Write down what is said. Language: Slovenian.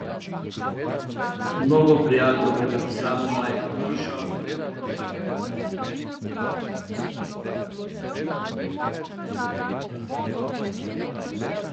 Mnogo prijateljev gre v eno samo majhno hišo.